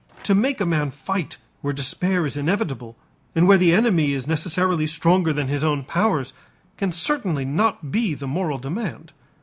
To make a man fight where despair is inevitable, and where the enemy is necessarily stronger than his own powers, can certainly not be the moral demand.